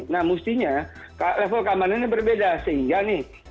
nah mestinya level keamanannya berbeda sehingga nih